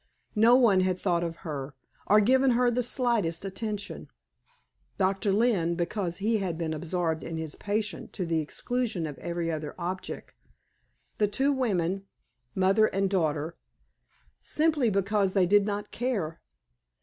No one had thought of her, or given her the slightest attention; Doctor Lynne, because he had been absorbed in his patient to the exclusion of every other object; the two women mother and daughter simply because they did not care.